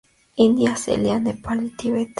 India, Ceilán Nepal y Tibet.